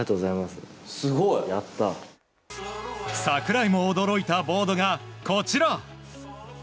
櫻井も驚いたボードがこちら。